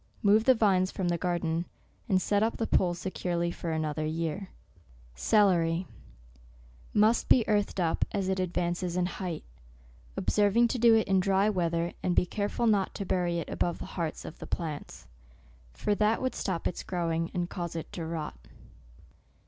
Move the vines from the garden, and set up the poles securely for another year* Q 182 SEPTEMBER. CELERY must be earthed up, as it advances in height, observing to do it in dry weather, and be careful not to bury it above the hearts of the plants ; for that would stop its growing, and cause it to rot.